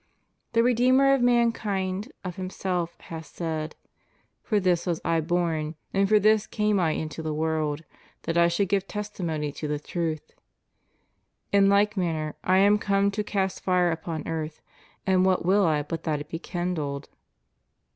The Re deemer of mankind of Himself has said: For this was I born, and for this came I into the world, that I should give testimony to the truth.^ In like manner, / am come to cast fire upon earth, and what will I but that it be kindled?